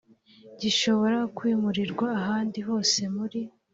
gishobora kwimurirwa ahandi hose muri